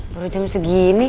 baru jam segini